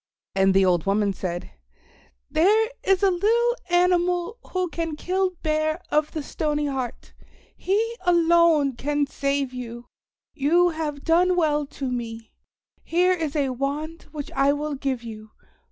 And the old woman said, "There is a little animal who can kill Bear of the Stony Heart. He alone can save you. You have done well to me. Here is a wand which I will give you.